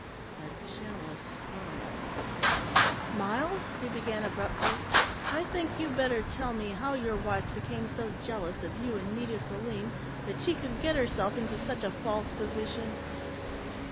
A jealous woman "Miles," he began abruptly, "I think you'd better tell me how your wife became so jealous of you and Nita Selim that she could get herself into such a false position."